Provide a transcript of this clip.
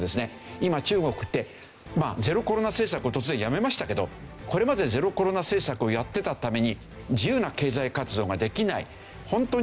今中国ってゼロコロナ政策を突然やめましたけどこれまでゼロコロナ政策をやってたために自由な経済活動ができない。